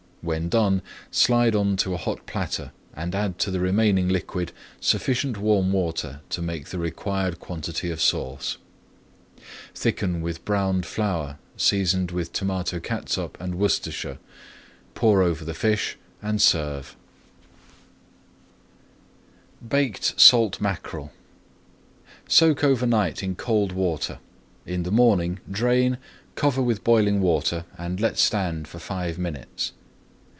When done slide on to a hot platter and add to the remaining liquid sufficient warm water to make the required quantity of sauce. Thicken with browned flour, seasoned with tomato catsup and Worcestershire, pour over the fish, and serve. [Page 224] BAKED SALT MACKEREL Soak over night in cold water. In the morning drain, cover with boiling water, and let stand for five minutes.